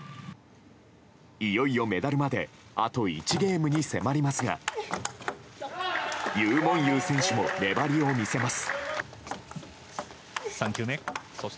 いよいよ、メダルまであと１ゲームに迫りますがユー・モンユー選手も粘りを見せます。